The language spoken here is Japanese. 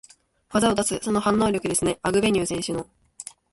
技を出す、その反応力ですね、アグベニュー選手の。